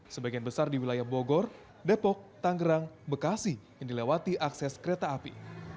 sebagian besar di wilayah bogor depok tanggerang bekasi yang dilewati akses kereta api